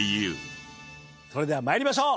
それでは参りましょう。